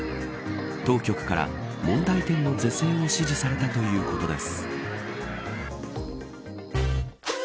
当局から、問題点の是正を指示されたということです。